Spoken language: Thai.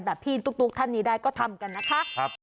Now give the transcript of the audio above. พี่ตุ๊กท่านนี้ได้ก็ทำกันนะคะ